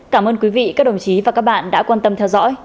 cảm ơn quý vị và các bạn đã quan tâm theo dõi